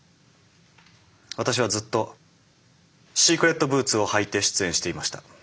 私はずっとシークレットブーツを履いて出演していました。